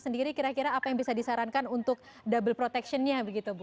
sendiri kira kira apa yang bisa disarankan untuk double protection nya begitu bu